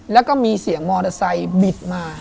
แล้วก็มีเสียงมอไซค์บิดมา